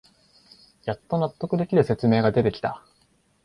やっと納得できる説明が出てきた